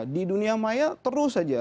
di dunia maya terus saja